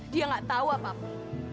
dia gak tahu apa apa